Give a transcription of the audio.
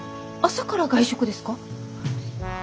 朝から外食ですか？